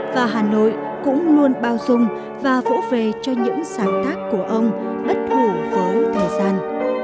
và hà nội cũng luôn bao dung và vỗ về cho những sáng tác của ông bất hủ với thời gian